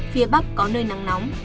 phía bắc có nơi nắng nóng